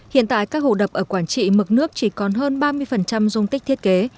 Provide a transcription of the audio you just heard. hiện tại các hồ đập ở quảng trị mực nước chỉ còn hơn ba mươi dung tích thiết kế